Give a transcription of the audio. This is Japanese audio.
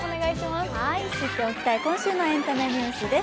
知っておきたい今週のエンタメニュースです